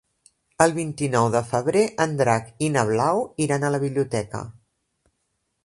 El vint-i-nou de febrer en Drac i na Blau iran a la biblioteca.